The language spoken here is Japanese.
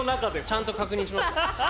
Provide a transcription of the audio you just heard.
ちゃんと確認しました。